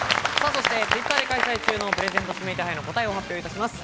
そしてＴｗｉｔｔｅｒで開催中のプレゼント指名手配の答えを発表いたします。